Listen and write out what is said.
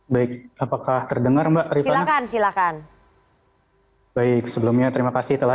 baik apakah terdengar mbak rizal silakan silakan baik sebelumnya terima kasih telah